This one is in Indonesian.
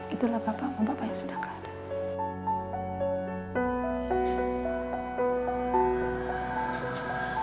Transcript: itulah bapakmu bapaknya sudah keadaan